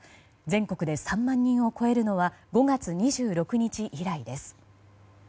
全国で３万人を超えるのは５月２６日以来です。